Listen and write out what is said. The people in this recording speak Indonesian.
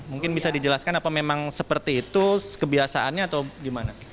mungkin bisa dijelaskan apa memang seperti itu kebiasaannya atau gimana